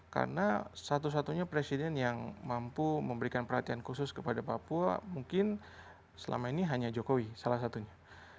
karena satu satunya presiden yang mampu memberikan perhatian khusus kepada papua mungkin selama ini hanya jokowi salah satunya